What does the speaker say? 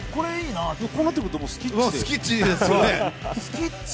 こうなってくるとスキッチで。